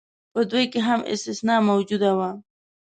په دوی کې هم استثنا موجوده وه.